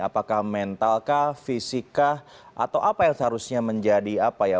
apakah mentalkah fisikkah atau apa yang seharusnya menjadi apa ya